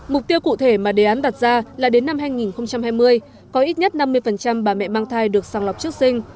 mục tiêu cụ thể mà đề án đặt ra là đến năm hai nghìn hai mươi có ít nhất năm mươi bà mẹ mang thai được sàng lọc trước sinh